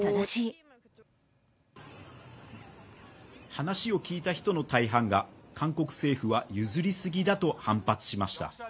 話を聞いた人の大半が韓国政府は譲りすぎだと反発しました。